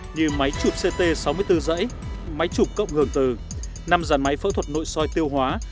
như máy chụp ct sáu mươi bốn dãy máy chụp cộng hưởng từ năm dàn máy phẫu thuật nội soi tiêu hóa